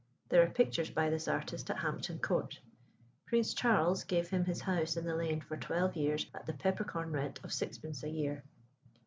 There are pictures by this artist at Hampton Court. Prince Charles gave him his house in the lane for twelve years at the peppercorn rent of 6d. a year.